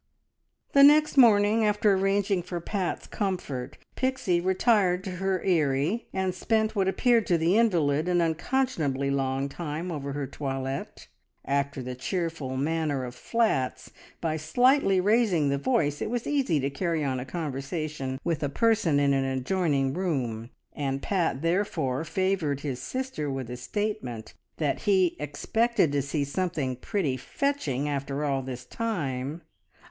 The next morning, after arranging for Pat's comfort, Pixie retired to her eerie, and spent what appeared to the invalid an unconscionably long time over her toilette. After the cheerful manner of flats, by slightly raising the voice it was easy to carry on a conversation with a person in an adjoining room, and Pat therefore favoured his sister with a statement that he "expected to see something pretty fetching, after all this time!"